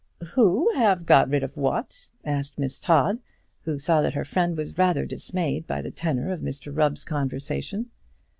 "Who have got rid of what?" asked Miss Todd, who saw that her friend was rather dismayed by the tenor of Mr Rubb's conversation.